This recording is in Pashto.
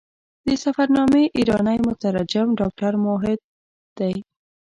د سفرنامې ایرانی مترجم ډاکټر موحد دی.